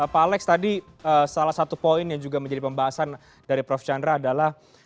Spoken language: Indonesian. pak alex tadi salah satu poin yang juga menjadi pembahasan dari prof chandra adalah